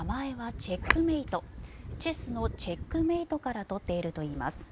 チェスのチェックメイトから取っているといいます。